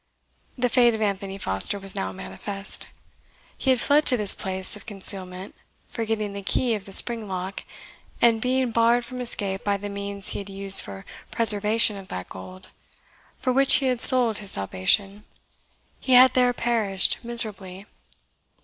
The fate of Anthony Foster was now manifest. He had fled to this place of concealment, forgetting the key of the spring lock; and being barred from escape by the means he had used for preservation of that gold, for which he had sold his salvation, he had there perished miserably.